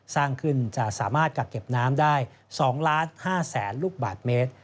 สร้างขึ้นจะสามารถกักเก็บน้ำได้๒๕๐๐๐ลูกบาทเมตร